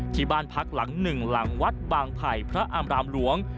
ที่บ้านพักหลังหนึ่งหลังวัดบางไผ่พระอามรามหลวง